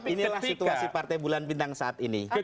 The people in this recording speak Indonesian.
inilah situasi partai bulan bintang saat ini